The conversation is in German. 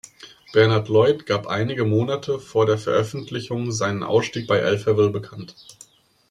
Bernhard Lloyd gab einige Monate vor der Veröffentlichung seinen Ausstieg bei Alphaville bekannt.